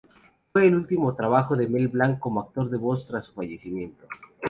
Fue el último trabajo de Mel Blanc como actor de voz tras su fallecimiento.